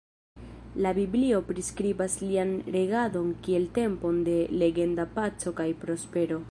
La biblio priskribas lian regadon kiel tempon de legenda paco kaj prospero.